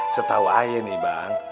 setau aya nih bang